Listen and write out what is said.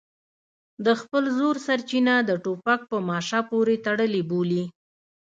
د خپل زور سرچینه د ټوپک په ماشه پورې تړلې بولي.